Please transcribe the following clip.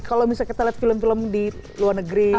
kalau misalnya kita lihat film film di luar negeri